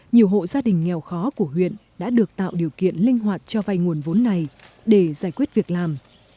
nhiều hộ gia đình nghèo khó của huyện đã được tạo điều kiện linh hoạt cho vay nguồn vốn này để giải quyết việc làm